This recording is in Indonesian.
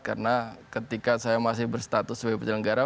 karena ketika saya masih berstatus sebagai penyelenggara